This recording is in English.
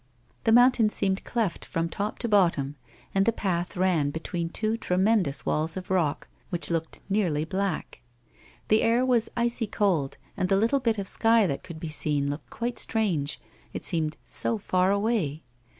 The mountain seemed cleft from top to bottom, and the path ran between two tremendous walls of rock which looked nearly black. The air was icy cold, and the little bit of sky that could be seen looked quite strange, it seemed so far away.